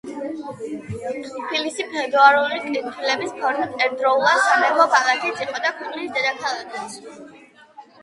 თბილისი, ფეოდალური კუთვნილების ფორმით, ერთდროულად სამეფო ქალაქიც იყო და ქვეყნის დედაქალაქიც.